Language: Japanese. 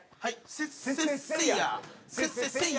せっせっせいや！